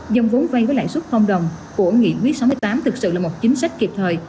dòng vốn vay với lãi suất đồng của nghị quyết sáu mươi tám thực sự là một chính sách kịp thời